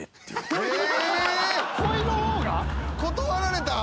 断られたん？